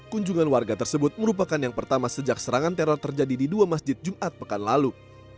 kunjungan warga tersebut merupakan yang pertama sejak serangan teror terjadi di dua masjid jumat pekan lalu